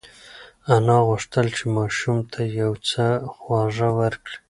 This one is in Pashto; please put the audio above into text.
انا غوښتل چې ماشوم ته یو څه خواږه ورکړي.